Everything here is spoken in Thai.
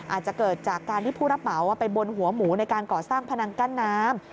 อาจจะเกิดจากการที่ผู้รับเหมาไปบนหัวหมูในการก่อสร้างพนังกั้นน้ำ